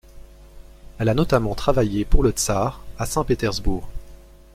Elle a notamment travaillé pour le Tsar, à Saint-Pétersbourg.